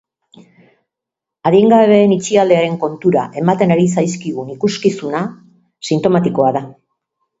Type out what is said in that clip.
Adingabeen itxialdiaren kontura ematen ari zaizkigun ikuskizuna sintomatikoa da.